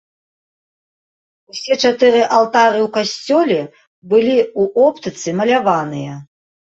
Усе чатыры алтары ў касцёле былі ў оптыцы маляваныя.